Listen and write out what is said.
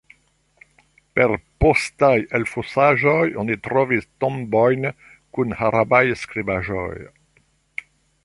Per postaj elfosaĵoj oni trovis tombojn kun arabaj skribaĵoj.